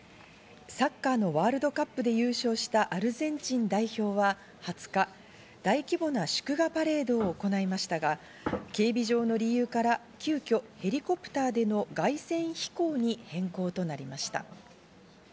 サッカーのワールドカップで優勝したアルゼンチン代表は２０日、大規模な祝賀パレードを行いましたが警備上の理由から急きょヘリコプターでの凱旋飛行に変更となりました。